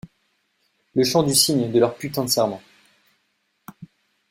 Le chant du cygne de leur putain de serment.